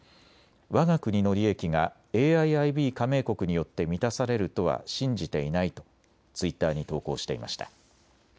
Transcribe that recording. わが国の利益がＡＩＩＢ加盟国によって満たされるとは信じていないとツイッターに投稿していました。